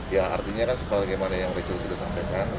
ya artinya kan seperti yang rachel sudah sampaikan